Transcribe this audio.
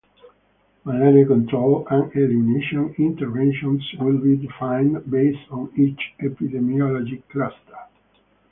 Malaria control and elimination interventions will be defined based on each epidemiologic cluster.